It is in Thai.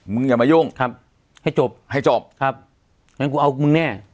อย่ามายุ่งครับให้จบให้จบครับงั้นกูเอามึงแน่